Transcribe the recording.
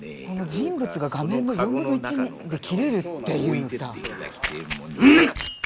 人物が画面の４分の１で切れるというのさ。